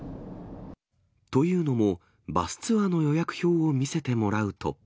というのも、バスツアーの予約表を見せてもらうと。